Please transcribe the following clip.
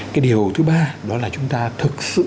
cái điều thứ ba đó là chúng ta thực sự chưa xem được là